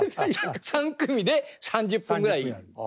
３組で３０分ぐらいやる。